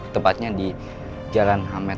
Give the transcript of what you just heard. tepatnya di jalan hamed